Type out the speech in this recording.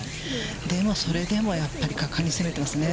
でも、それでもやっぱり果敢に攻めていますね